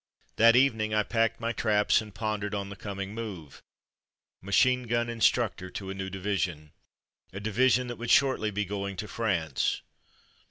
That evening I packed my traps, and pondered on the coming move. Machine gun in structor to a new division; a division that would shortly be going to France.